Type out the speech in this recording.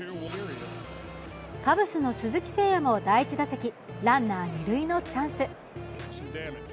カブスの鈴木誠也も第１打席、ランナー、二塁のチャンス。